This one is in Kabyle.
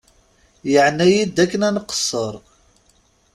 Yeɛna-iyi-d akken nqesser.